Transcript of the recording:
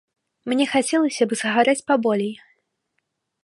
Мне хацелася б загарэць паболей.